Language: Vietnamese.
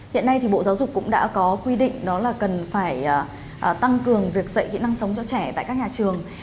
hiện nay thì bộ giáo dục cũng đã có quy định đó là cần phải tăng cường việc dạy kỹ năng sống cho trẻ tại các nhà trường